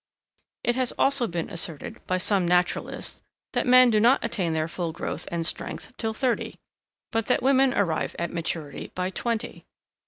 It has also been asserted, by some naturalists, that men do not attain their full growth and strength till thirty; but that women arrive at maturity by twenty.